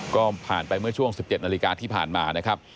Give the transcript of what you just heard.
ก็ผ่านไปเมื่อช่วง๑๗นาฬิกาที่ผ่านมานะครับ